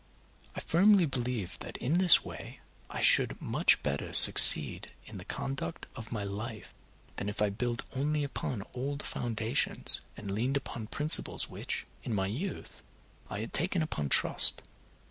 I firmly believed that in this way I should much better succeed in the conduct of my life, than if I built only upon old foundations, and leaned upon principles which, in my youth, I had taken upon trust.